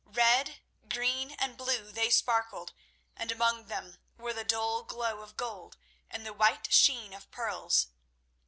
Red, green and blue they sparkled; and among them were the dull glow of gold and the white sheen of pearls.